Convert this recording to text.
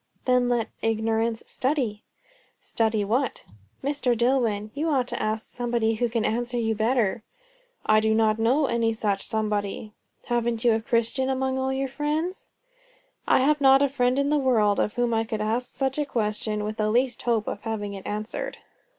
"Then let ignorance study." "Study what?" "Mr. Dillwyn, you ought to ask somebody who can answer you better." "I do not know any such somebody." "Haven't you a Christian among all your friends?" "I have not a friend in the world, of whom I could ask such a question with the least hope of having it answered."